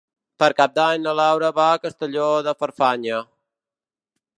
Per Cap d'Any na Laura va a Castelló de Farfanya.